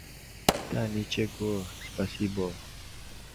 — Da! Nichego! Spasibo!